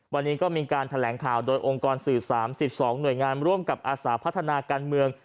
วันนี้ก็มีการแถลงข่าวโดยองค์กรสื่อ๓๒หน่วยงานร่วมกับอาสาพัฒนาการเมือง